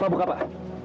pak buka pak